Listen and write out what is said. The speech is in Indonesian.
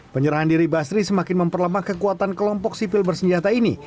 penyerahan diri basri semakin memperlemah kekuatan kelompok sipil bersenjata ini